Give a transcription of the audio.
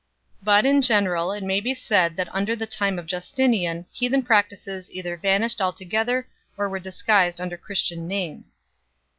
But in general it may be said that after the time of Justinian heathen practices either vanished altogether or were disguised under Chris tian names.